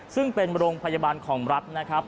ซึ่งเป็นโรงพยาบาลของรัฐนะครับ